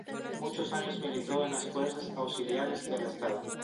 Muchos años militó en las fuerzas auxiliares del estado.